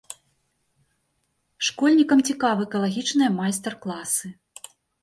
Школьнікам цікавы экалагічныя майстар-класы.